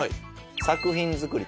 作品作りとか。